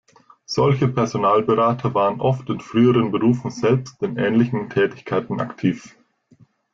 Solche Personalberater waren oft in früheren Berufen selbst in ähnlichen Tätigkeiten aktiv.